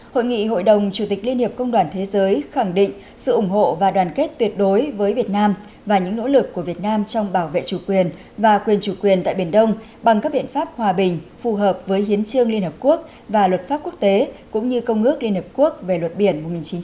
hội nghị hội đồng chủ tịch liên hiệp công đoàn thế giới khẳng định sự ủng hộ và đoàn kết tuyệt đối với việt nam và những nỗ lực của việt nam trong bảo vệ chủ quyền và quyền chủ quyền tại biển đông bằng các biện pháp hòa bình phù hợp với hiến trương liên hợp quốc và luật pháp quốc tế cũng như công ước liên hợp quốc về luật biển một nghìn chín trăm tám mươi hai